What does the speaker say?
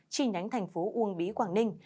chi nhánh thành phố uông bí quảng ninh